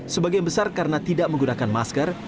sebagian besar karena tidak menggunakan masker